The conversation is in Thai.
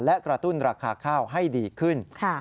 และกระตุ้นราคาข้าวให้ดีขึ้น